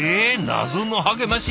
謎の励まし。